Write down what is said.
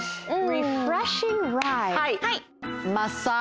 はい。